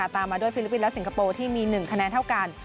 ตามมาด้วยฟิลิปปินส์และสิงคโปร์ที่มี๑คะแนนเท่ากัน